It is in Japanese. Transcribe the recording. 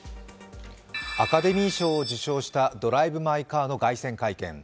アカデミー賞を受賞した「ドライブ・マイ・カー」の凱旋会見。